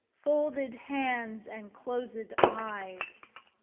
Folded hands and closed eyes.